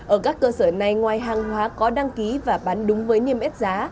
ở các cơ sở này ngoài hàng hóa có đăng ký và bán đúng với niêm yết giá